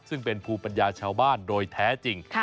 ซึ่งเป็นภูมิปัญญาชาวบ้านโดยแท้จริง